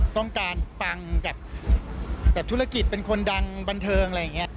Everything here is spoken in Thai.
ต้องการปังกับธุรกิจเป็นคนดังบันเทิงอะไรอย่างนี้